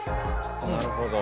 なるほど。